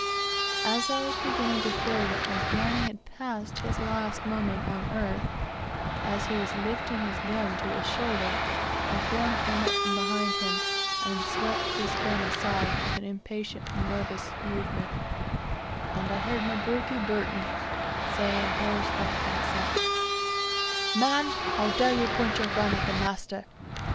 As I was beginning to feel that Asmani had passed his last moment on earth, as he was lifting his gun to his shoulder, a form came up from behind him, and swept his gun aside with an impatient, nervous movement, and I heard Mabruki Burton say in horror struck accents: "Man, how dare you point your gun, at the master?"